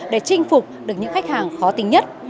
để chinh phục được những khách hàng khó tính nhất